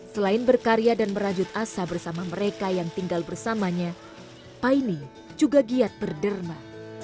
selain berkarya dan merajut asa bersama mereka yang tinggal bersamanya paine juga giat berderma